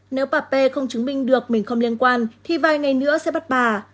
nếu bà p không chứng minh được mình không liên quan thì vài ngày nữa sẽ bắt bà